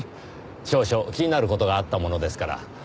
少々気になる事があったものですから。